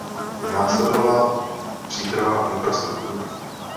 Následovala příprava infrastruktury.